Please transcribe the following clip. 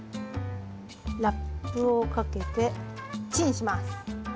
ラップをかけてチンします。